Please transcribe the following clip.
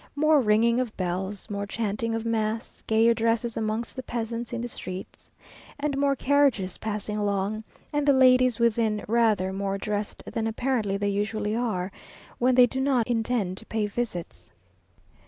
More ringing of bells, more chanting of mass, gayer dresses amongst the peasants in the streets, and more carriages passing along, and the ladies within rather more dressed than apparently they usually are, when they do not intend to pay visits.